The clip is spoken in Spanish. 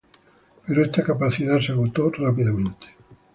Pero esta capacidad se agotó rápidamente.